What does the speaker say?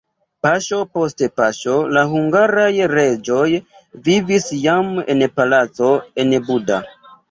Paŝo post paŝo la hungaraj reĝoj vivis jam en palaco en Buda.